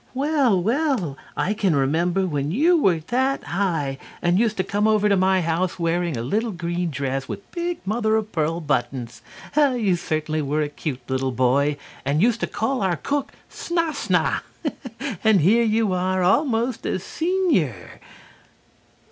Well, well, and I can remember you when you were that high, and used to come over to my house wearing a little green dress, with big mother of pearl buttons. You certainly were a cute little boy, and used to call our cook 'Sna sna.' And here you are, almost a senior."